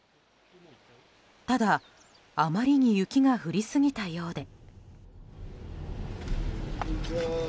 ただ、あまりに雪が降りすぎたようで。